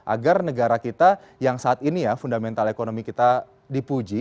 agar negara kita yang saat ini ya fundamental ekonomi kita dipuji